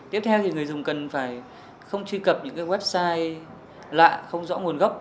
tiếp theo thì người dùng cần phải không truy cập những website lạ không rõ nguồn gốc